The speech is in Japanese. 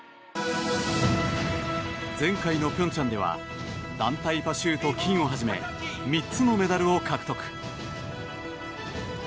前回の平昌では団体パシュート金をはじめ３つのメダルを獲得。